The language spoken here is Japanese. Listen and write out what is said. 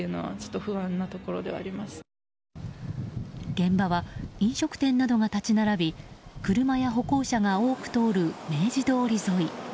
現場は飲食店などが立ち並び車や歩行者が多く通る明治通り沿い。